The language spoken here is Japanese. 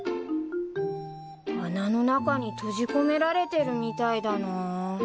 穴の中に閉じ込められてるみたいだなぁ。